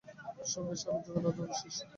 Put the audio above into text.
সঙ্গে স্বামী যোগানন্দ ও শিষ্য।